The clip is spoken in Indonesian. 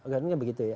kan begitu ya